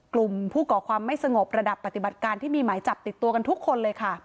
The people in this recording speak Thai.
กลุ่มผู้ก่อความไม่สงบระดับปฏิบัติการที่มีหมายจับติดตัวกันทุกคนเลยค่ะ